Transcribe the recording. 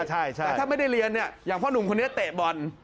แต่ถ้าไม่ได้เรียนเนี่ยอย่างพ่อหนุ่มคนนี้เตะบอล